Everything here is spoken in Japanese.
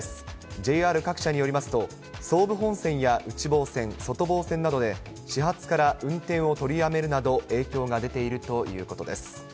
ＪＲ各社によりますと、総武本線や内房線、外房線などで、始発から運転を取りやめるなど、影響が出ているということです。